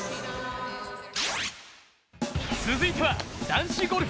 続いては、男子ゴルフ。